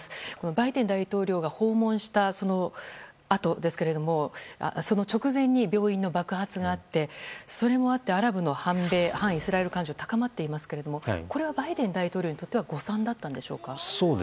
バイデン大統領が訪問したその直前に病院の爆発があってそれもあって、アラブの反米・反イスラエル感情が高まっていますけれどもこれはバイデン大統領にとっては誤算だったんでしょうか。